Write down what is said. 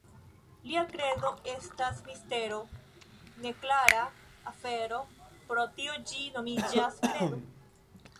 Nia kredo estas mistero, neklara afero; pro tio ĝi nomiĝas kredo.